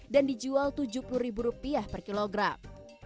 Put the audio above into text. dan dijual rp tujuh puluh per kilogram